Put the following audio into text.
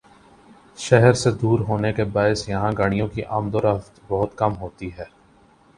شہر سے دور ہونے کے باعث یہاں گاڑیوں کی آمدورفت بہت کم ہوتی ہے ۔